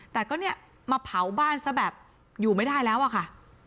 แต่ก็เนี่ยมาเผาบ้านซะแบบอยู่ไม่ได้แล้วอะค่ะ